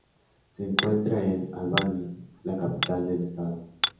Se encuentra en Albany, la capital del estado.